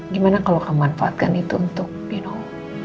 gimana kalau kamu manfaatkan itu untuk you know